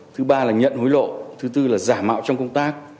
thứ ba là nhận hối lộ thứ tư là giả mạo trong công tác